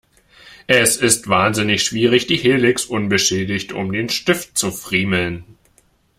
Es ist wahnsinnig schwierig, die Helix unbeschädigt um den Stift zu friemeln.